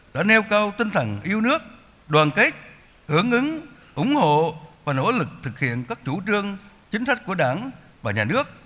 đã nêu cao tinh thần yêu nước đoàn kết hưởng ứng ủng hộ và nỗ lực thực hiện các chủ trương chính sách của đảng và nhà nước